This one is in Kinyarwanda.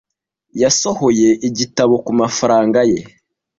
Yasohoye igitabo ku mafaranga ye.